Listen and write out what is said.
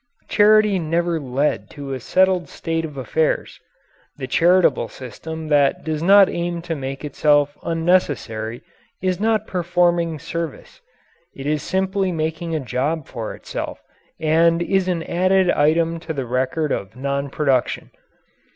Charity never led to a settled state of affairs. The charitable system that does not aim to make itself unnecessary is not performing service. It is simply making a job for itself and is an added item to the record of non production.